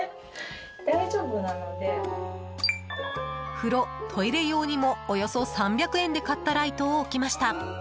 風呂、トイレ用にもおよそ３００円で買ったライトを置きました。